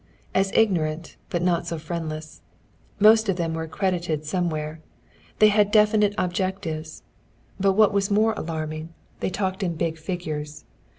As ignorant, but not so friendless. Most of them were accredited somewhere. They had definite objectives. But what was more alarming they talked in big figures.